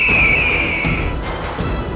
jangan berani kurang ajar padaku